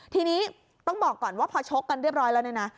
ทีนี้ต้องบอกก่อนว่าพอชกกันเรียบร้อยแล้วเนี่ยนะ